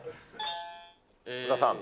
小田さん。